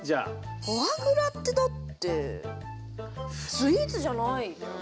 フォアグラってだってスイーツじゃない。